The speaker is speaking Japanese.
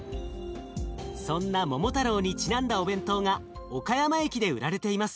そんな桃太郎にちなんだお弁当が岡山駅で売られています。